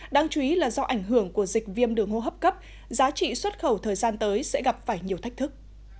đáng chú ý là do ảnh hưởng của dịch viêm đường hô hấp cấp giá trị xuất khẩu thời gian tới sẽ gặp phải nhiều thách thức